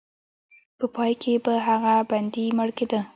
په پای کې به هغه بندي مړ کېده.